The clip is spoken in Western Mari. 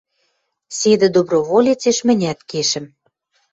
Седӹ доброволецеш мӹнят кешӹм.